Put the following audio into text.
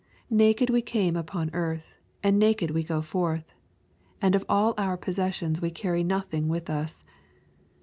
Naked we came upon earth, and naked we go forth, and of all our possessions we can carry nothing with us.